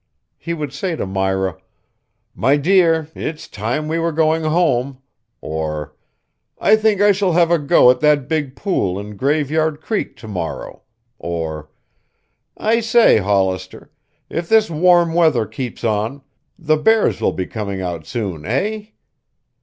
He would say to Myra: "My dear, it's time we were going home", or "I think I shall have a go at that big pool in Graveyard Creek to morrow", or "I say, Hollister, if this warm weather keeps on, the bears will be coming out soon, eh?"